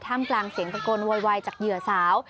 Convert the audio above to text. มกลางเสียงตะโกนโวยวายจากเหยื่อสาว